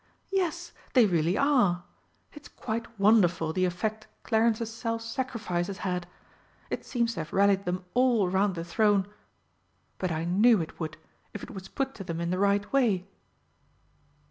Yes, they really are! It's quite wonderful the effect Clarence's self sacrifice has had it seems to have rallied them all round the Throne. But I knew it would, if it was put to them in the right way....